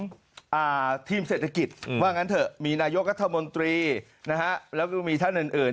ที่ประชุมของทีมเศรษฐกิจว่างั้นเถอะมีนายกรัฐมนตรีแล้วก็มีท่านอื่น